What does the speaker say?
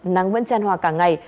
nắng vẫn tràn hòa cả ngày